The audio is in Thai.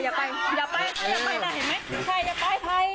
อย่าไปไทยอย่าไปนะเห็นไหมไทยอย่าไปไทย